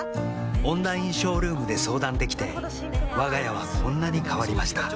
オンラインショールームで相談できてわが家はこんなに変わりました